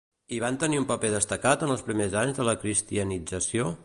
I van tenir un paper destacat en els primers anys de la cristianització?